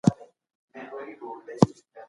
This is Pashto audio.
پخوا ښځو هم د علم رول درلود.